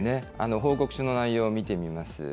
報告した内容を見てみます。